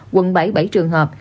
quận bảy bảy trường hợp